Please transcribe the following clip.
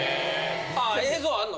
あ映像あんの？